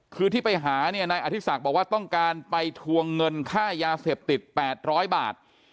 คือที่ไปหาเนี่ยนายอธิศักดิ์บอกว่าต้องการไปทวงเงินค่ายาเสพติด๘๐๐บาท